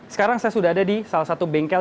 sekarang saya sudah ada di salah satu bengkel